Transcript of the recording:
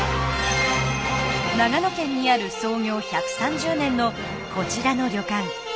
長野県にある創業１３０年のこちらの旅館。